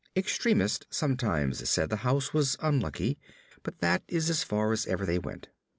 Extremists sometimes said the house was "unlucky," but that is as far as even they went.